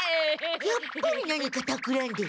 やっぱり何かたくらんでる。